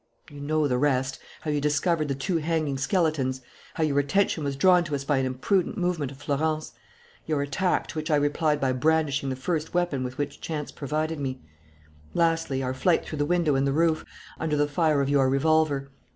"You know the rest: how you discovered the two hanging skeletons; how your attention was drawn to us by an imprudent movement of Florence; your attack, to which I replied by brandishing the first weapon with which chance provided me; lastly, our flight through the window in the roof, under the fire of your revolver.